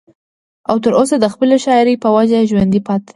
او تر اوسه د خپلې شاعرۍ پۀ وجه ژوندی پاتې دی